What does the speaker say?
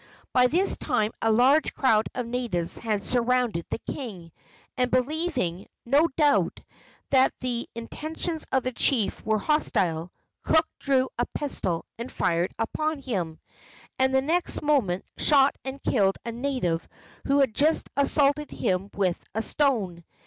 By this time a large crowd of natives had surrounded the king, and believing, no doubt, that the intentions of the chief were hostile, Cook drew a pistol and fired upon him, and the next moment shot and killed a native who had assaulted him with a stone.